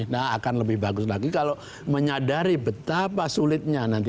nah akan lebih bagus lagi kalau menyadari betapa sulitnya nanti